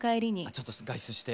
ちょっと外出して。